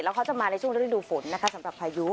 แล้วเขาจะมาในช่วงฤดูฝนสำหรับพายุ